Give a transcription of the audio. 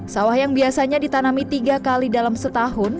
sawah yang biasanya ditanami tiga kali dalam setahun